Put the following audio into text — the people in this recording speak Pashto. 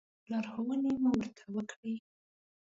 لارښوونې مو ورته وکړې.